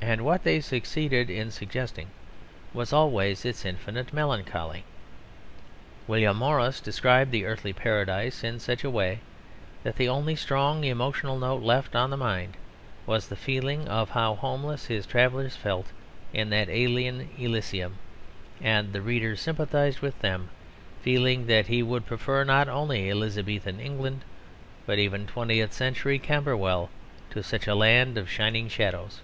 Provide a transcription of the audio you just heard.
And what they succeeded in suggesting was always its infinite melancholy. William Morris described the Earthly Paradise in such a way that the only strong emotional note left on the mind was the feeling of how homeless his travellers felt in that alien Elysium; and the reader sympathised with them, feeling that he would prefer not only Elizabethan England but even twentieth century Camberwell to such a land of shining shadows.